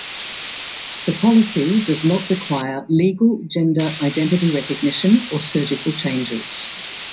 The policy does not require legal gender identity recognition or surgical changes.